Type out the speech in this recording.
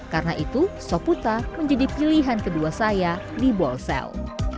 karena itu soputa menjadi pilihan kedua saya di bolsel